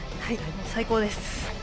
最高です！